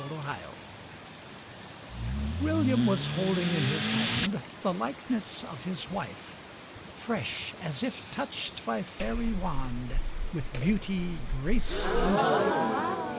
The Miniature. William was holding in his hand The likeness of his wife! Fresh, as if touched by fairy wand, With beauty, grace, and life.